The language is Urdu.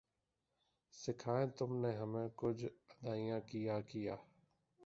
سکھائیں تم نے ہمیں کج ادائیاں کیا کیا